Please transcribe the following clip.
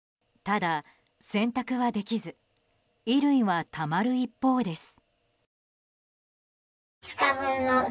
ただ、洗濯はできず衣類はたまる一方です。